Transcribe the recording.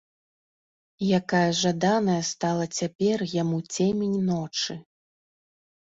Якая жаданая стала цяпер яму цемень ночы!